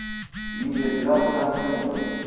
Mille chilometri al minuto!